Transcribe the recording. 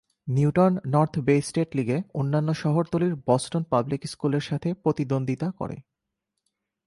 Newton North Bay State লীগে অন্যান্য শহরতলির বোস্টন পাবলিক স্কুলের সাথে প্রতিদ্বন্দ্বিতা করে।